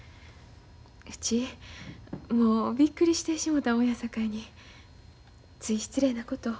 うちもうびっくりしてしもたもんやさかいについ失礼なことを。